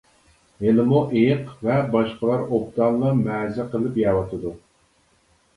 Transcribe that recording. ھېلىمۇ «ئېيىق» ۋە باشقىلار ئوبدانلا مەزە قىلىپ يەۋاتىدۇ.